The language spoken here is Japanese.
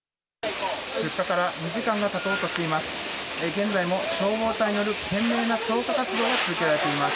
出火から２時間がたとうとしています。